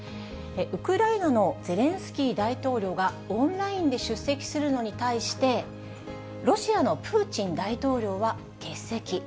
ウクライナのゼレンスキー大統領がオンラインで出席するのに対して、ロシアのプーチン大統領は欠席。